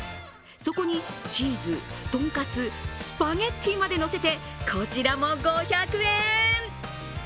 そこにチーズ、トンカツ、スパゲッティまでのせて、こちらも５００円。